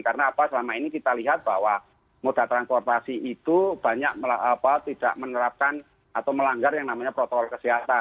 karena apa selama ini kita lihat bahwa moda transportasi itu banyak tidak menerapkan atau melanggar yang namanya protokol kesehatan